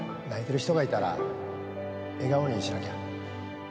泣いてる人がいたら笑顔にしなきゃ。